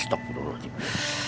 tunggu sebentar ya pak